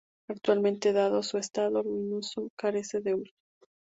Actualmente, dado su estado ruinoso, carece de uso.